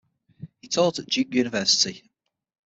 He taught at Duke University.